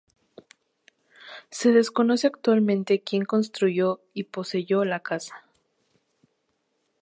Se desconoce actualmente quien construyó y poseyó la casa.